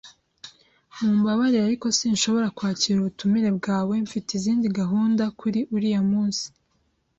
Mumbabarire, ariko sinshobora kwakira ubutumire bwawe. Mfite izindi gahunda kuri uriya munsi.